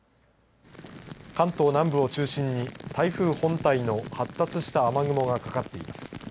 関東南部を中心に台風本体の発達した雨雲がかかっています。